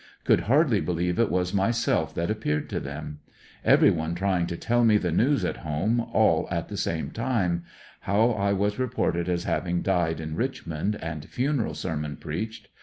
Could hardly believe it was myself that ap peared to them. Every one trying to tell me the news at home all 158 THE STARS AND STRIPES. ' at the same time — how I was reported as having died in Richmond and funeral sermon preached.